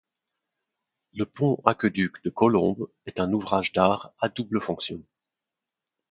Le pont-aqueduc de Colombes est un ouvrage d'art à double fonction.